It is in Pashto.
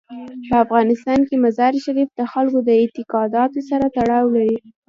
په افغانستان کې مزارشریف د خلکو د اعتقاداتو سره تړاو لري.